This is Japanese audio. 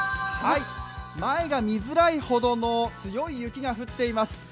前が見づらいほどの強い雪が降っています。